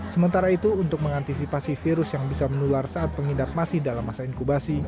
sementara itu untuk mengantisipasi virus yang bisa menular saat pengidap masih dalam masa inkubasi